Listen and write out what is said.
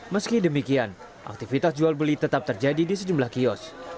meski demikian aktivitas jual beli tetap terjadi di sejumlah kios